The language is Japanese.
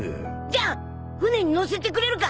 じゃあ船に乗せてくれるか！？